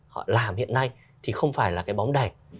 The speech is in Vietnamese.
họ làm hiện nay thì không phải là cái bóng đèn